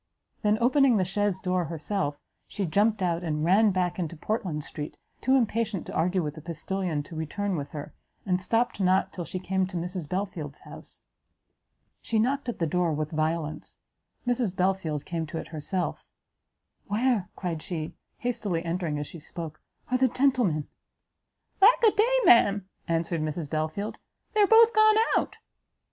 then, opening the chaise door herself, she jumpt out, and ran back into Portland street, too impatient to argue with the postilion to return with her, and stopt not till she came to Mrs Belfield's house. She knocked at the door with violence; Mrs Belfield came to it herself; "Where," cried she, hastily entering as she spoke, "are the gentlemen?" "Lack a day! ma'am," answered Mrs Belfield, "they are both gone out."